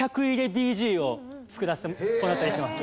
ＢＧを作らせてもらったりしてます。